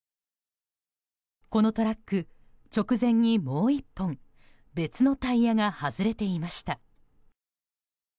このトラック、直前にもう１本別のタイヤが外れていました。